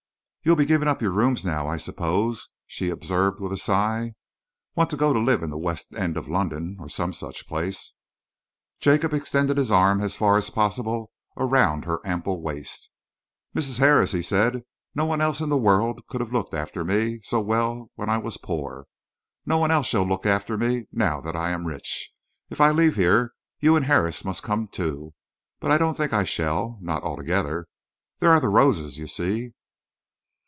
"You'll be giving up your rooms now, I suppose?" she observed with a sigh. "Want to go and live in the West End of London, or some such place." Jacob extended his arm as far as possible around her ample waist. "Mrs. Harris," he said, "no one else in the world could have looked after me so well when I was poor. No one else shall look after me now that I am rich. If I leave here, you and Harris must come too, but I don't think that I shall not altogether. There are the roses, you see."